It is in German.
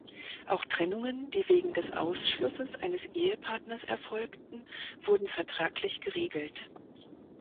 Auch Trennungen, die wegen des Ausschlusses eines Ehepartners erfolgten, wurden vertraglich geregelt.